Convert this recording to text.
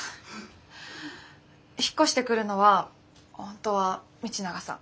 引っ越してくるのは本当は道永さん。